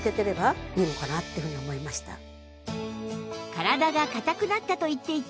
体が硬くなったと言っていた